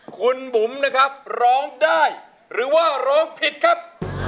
คุณบุ๋มนะครับร้องได้หรือว่าร้องผิดครับ